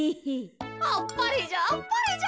あっぱれじゃあっぱれじゃ。